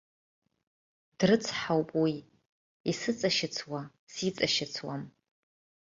Дрыцҳауп уи, исыҵашьыцуа, сиҵашьыцуам.